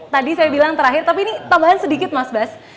tadi saya bilang terakhir tapi ini tambahan sedikit mas bas